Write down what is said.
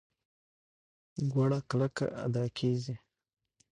ګړه کلکه ادا کېږي.